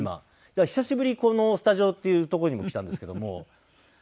だから久しぶりにこのスタジオっていう所にも来たんですけども。